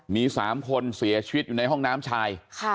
มี๓คนเสียชีวิตอยู่ในห้องน้ำชาย